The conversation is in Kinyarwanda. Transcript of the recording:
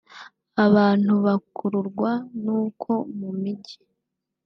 abantu bakururwa n’uko mu mijyi